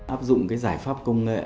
áp dụng cái giải pháp công nghệ